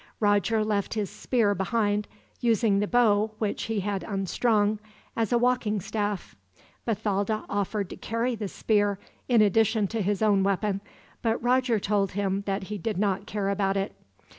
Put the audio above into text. Roger left his spear behind; using the bow, which he had unstrung, as a walking staff. Bathalda offered to carry the spear, in addition to his own weapon, but Roger told him that he did not care about it.